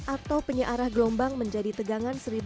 atau penyiarah gelombang menjadi tegangan satu lima ratus volt dc